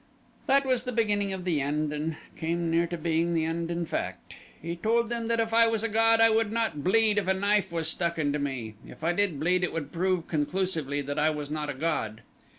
That was the beginning of the end and came near to being the end in fact. He told them that if I was a god I would not bleed if a knife was stuck into me if I did bleed it would prove conclusively that I was not a god.